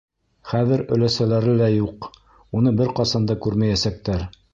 Хәҙер өләсәләре лә юҡ, уны бер ҡасан да күрмәйәсәктәр...